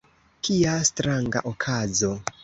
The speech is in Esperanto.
kia stranga okazo!